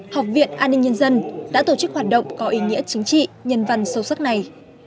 học viện an ninh nhân dân đã tổ chức hoạt động có ý nghĩa chính trị nhân văn sâu sắc này